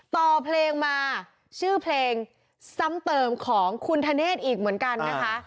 ต่อเพลงมาชื่อเพลงซ้ำเติมของคุณธเนธอีกเหมือนกันนะคะ